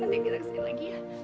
udah kita kesini lagi ya